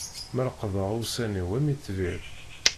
La leqqḍeɣ ussan-iw am itbir.